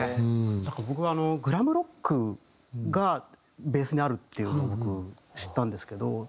僕グラムロックがベースにあるっていうのを僕知ったんですけど。